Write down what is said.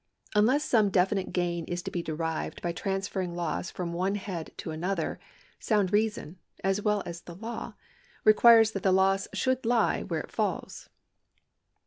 Unless some definite gain is to be derived by trans ferring loss from one head to another, sound reason, as well as the law, requires that the loss should lie where it falls.